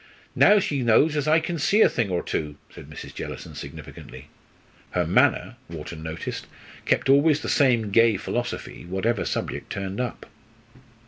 Now she knows as I kin see a thing or two," said Mrs. Jellison, significantly. Her manner, Wharton noticed, kept always the same gay philosophy, whatever subject turned up.